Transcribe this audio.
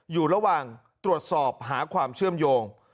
อยู่ระหว่างตรวจสอบหาความเชื่อมโยง